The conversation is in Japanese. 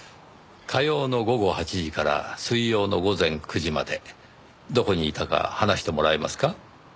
火曜の午後８時から水曜の午前９時までどこにいたか話してもらえますか？